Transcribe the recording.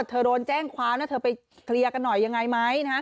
ว่าเธอร้อยเจ้งความเธอไปเคลียร์กันหน่อยยังไงไหม